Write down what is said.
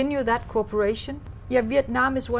và tất cả các khu vực tự nhiên